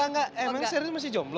enggak enggak emang shirley masih jomblo